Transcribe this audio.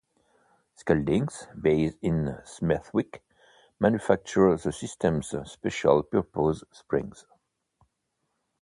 Skeldings, based in Smethwick, manufacture the system's special purpose springs.